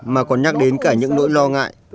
mà còn nhắc đến cả những nỗi lo ngại